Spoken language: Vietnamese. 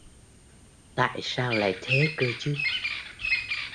tại sao lại thế cơ chứ